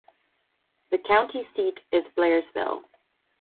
The county seat is Blairsville.